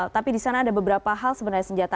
tapi di sana ada beberapa hal sebenarnya senjata